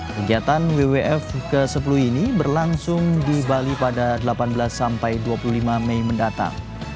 kegiatan wwf ke sepuluh ini berlangsung di bali pada delapan belas sampai dua puluh lima mei mendatang